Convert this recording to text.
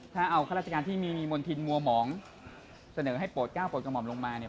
ถ้าเอาข้าราชการที่มีมณฑินมัวหมองเสนอให้โปรดก้าวโปรดกระหม่อมลงมาเนี่ย